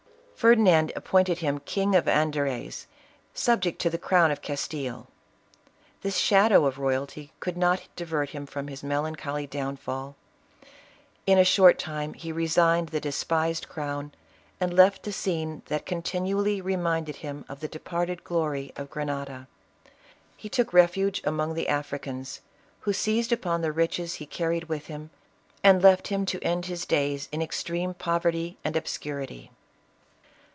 Ferdinand appointed him king of Andaraz, subject to the crown of Castile. This shadow of royalty could not divert him from his melancholy downfall. In a short time, he resigned the despised crown, and left the scenes that continually reminded him of the de parted glory of Grenada. He took refuge among the Africans, who seized upon the riches he carried with him, and left him to end his days in extreme poverty and obscurity.